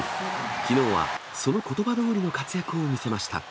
きのうはそのことばどおりの活躍を見せました。